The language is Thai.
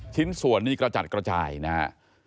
ชิ้นส่วนนี้กระจัดกระจายนะครับ